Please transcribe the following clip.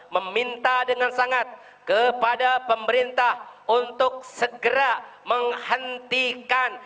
meminta dengan sangat kepada pemerintah untuk segera menghentikan